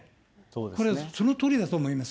これはそのとおりだと思います。